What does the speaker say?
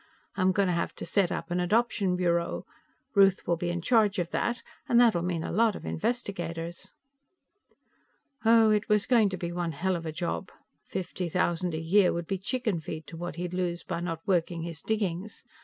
I'm going to have to set up an adoption bureau; Ruth will be in charge of that. And that'll mean a lot of investigators " Oh, it was going to be one hell of a job! Fifty thousand a year would be chicken feed to what he'd lose by not working his diggings.